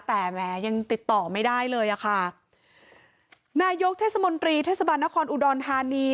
แต่แหมยังติดต่อไม่ได้เลยอ่ะค่ะนายกเทศมนตรีเทศบาลนครอุดรธานี